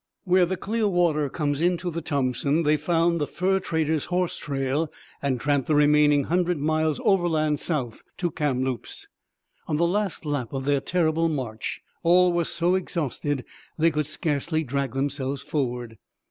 Where the Clearwater comes into the Thompson they found the fur trader's horse trail and tramped the remaining hundred miles overland south to Kamloops. On the last lap of their terrible march all were so exhausted they could scarcely drag themselves forward.